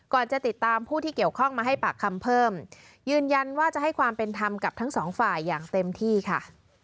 จะติดตามผู้ที่เกี่ยวข้องมาให้ปากคำเพิ่มยืนยันว่าจะให้ความเป็นธรรมกับทั้งสองฝ่ายอย่างเต็มที่ค่ะ